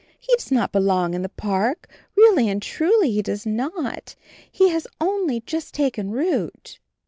He does not belong in the park, really and truly he does not — he has only just taken root."